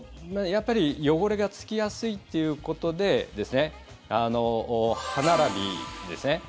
やっぱり汚れがつきやすいということで歯並びですね。